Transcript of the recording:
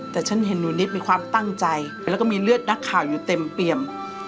แต่ฉันเห็นหนูนิดมีความตั้งใจแล้วก็มีเลือดนักข่าวอยู่เต็มเปี่ยม